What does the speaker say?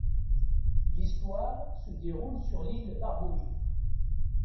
L'histoire se déroule sur l'Île Barbouille.